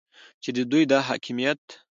چې د دوی دا حاکمیت